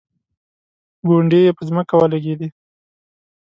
ګونډې یې په ځمکه ولګېدې.